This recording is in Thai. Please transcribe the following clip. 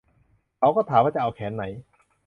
เขาก็ถามว่าจะเอาแขนไหน